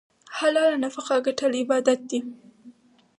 حلاله نفقه ګټل عبادت دی.